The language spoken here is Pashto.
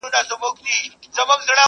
• د انسان وجدان د هر څه شاهد پاتې کيږي تل,